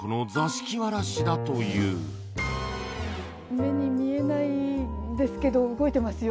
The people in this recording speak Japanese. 目に見えないですけど動いてますよ